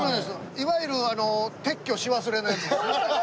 いわゆるあの撤去し忘れのやつです。